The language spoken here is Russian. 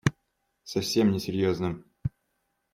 Совсем не серьезно.